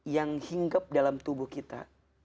yang hingkep dalam tubuh kita